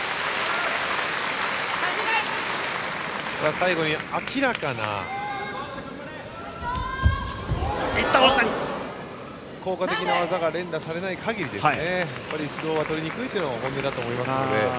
最後に明らかな効果的な技が連打されない限り指導は取りにくいというのが本音だと思いますので。